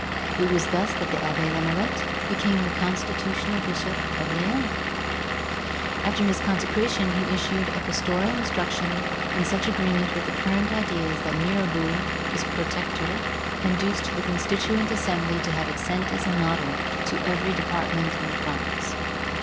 It was thus that the Abbé Lamourette became the constitutional bishop of Lyons. After his consecration, he issued a pastoral instruction in such agreement with current ideas that Mirabeau, his protector, induced the Constituent Assembly to have it sent as a model to every department in France.